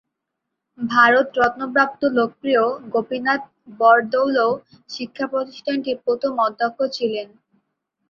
ভারত রত্ন প্রাপ্ত লোকপ্রিয় গোপীনাথ বরদলৈ শিক্ষা প্রতিষ্ঠানটির প্রথম অধ্যক্ষ ছিলেন।